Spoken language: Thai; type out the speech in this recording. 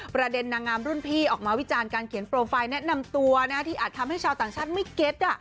นางงามรุ่นพี่ออกมาวิจารณ์การเขียนโปรไฟล์แนะนำตัวที่อาจทำให้ชาวต่างชาติไม่เก็ต